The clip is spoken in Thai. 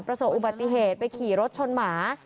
ประสบอุบัติเหตุไปขี่รถชนหมา